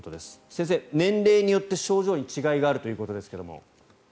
先生、年齢によって症状に違いがあるということですが。